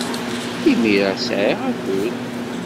Imir-a, sɛiɣ akud.